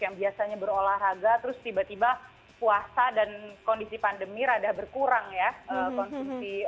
yang biasanya berolahraga terus tiba tiba puasa dan kondisi pandemi rada berkurang ya konsumsi